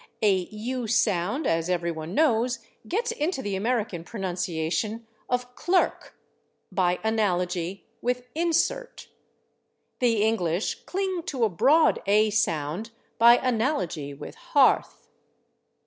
A /u/ sound, as everyone knows, gets into the American pronunciation of /clerk/, by analogy with /insert/; the English cling to a broad /a/ sound, by analogy with /hearth